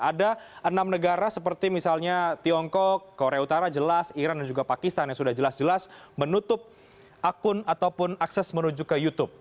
ada enam negara seperti misalnya tiongkok korea utara jelas iran dan juga pakistan yang sudah jelas jelas menutup akun ataupun akses menuju ke youtube